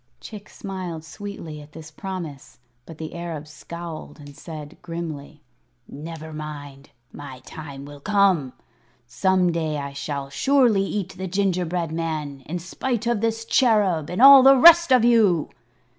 Chick smiled sweetly at this promise; but the Arab scowled and said, grimly: "Never mind. My time will come. Some day I shall surely eat that gingerbread man, in spite of this Cherub and all the rest of you."